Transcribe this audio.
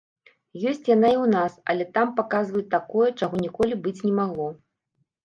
Ёсць яна і ў нас, але там паказваюць такое, чаго ніколі быць не магло!